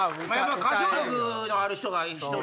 歌唱力のある人が１人。